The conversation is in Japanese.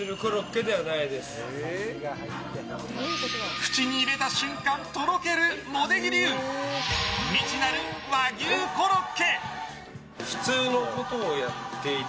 口に入れた瞬間とろける茂出木流、未知なる和牛コロッケ。